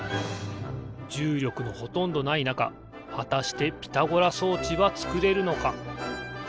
じゅうりょくのほとんどないなかはたしてピタゴラ装置はつくれるのか？